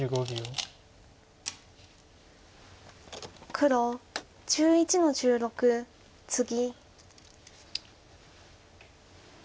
黒１１の十六ツギ。